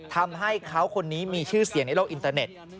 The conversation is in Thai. ทำให้เขาคนนี้มีชื่อเสียงในโลกอินเตอร์เน็ต